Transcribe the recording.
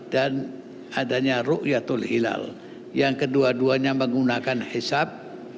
dan adanya ru'yatul hilal yang kedua duanya menggunakan hisab